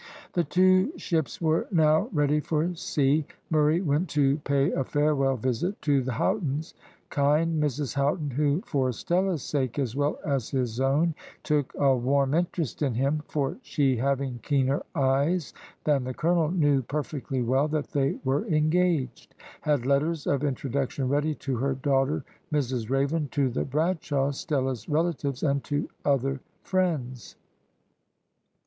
The two ships were now ready for sea. Murray went to pay a farewell visit to the Houghtons. Kind Mrs Houghton who, for Stella's sake as well as his own, took a warm interest in him, for she having keener eyes than the colonel, knew perfectly well that they were engaged had letters of introduction ready to her daughter Mrs Raven, to the Bradshaws, Stella's relatives, and to other friends.